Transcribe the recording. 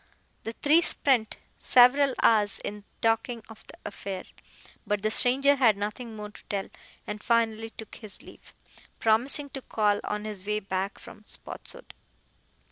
The three spent several hours in talking of the affair, but the stranger had nothing more to tell, and finally took his leave, promising to call on his way back from Spotswood.